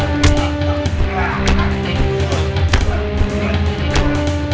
dengan siapa yang bertanggung